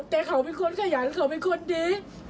แต่เขาเป็นคนขยันเขาเป็นคนดี